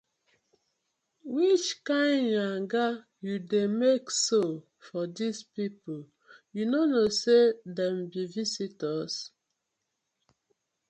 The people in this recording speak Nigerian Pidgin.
Which kind yanga you dey mek so for dis pipu, yu no kno say dem bi visitors?